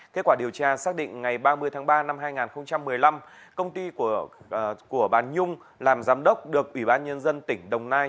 kết quả điều tra xác định ngày ba mươi tháng ba năm hai nghìn một mươi năm công ty của bà nhung làm giám đốc được ủy ban nhân dân tỉnh đồng nai